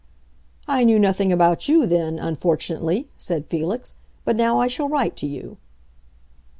"I knew nothing about you then, unfortunately," said Felix. "But now I shall write to you."